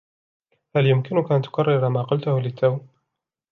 هل يمكنك أن تكرر ما قلته للتو ؟